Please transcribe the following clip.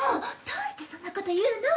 どうしてそんな事言うの！？